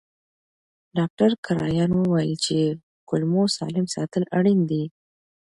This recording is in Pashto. ډاکټر کرایان وویل چې کولمو سالم ساتل اړین دي.